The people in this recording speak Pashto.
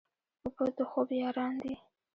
اوبه د خوب یاران دي.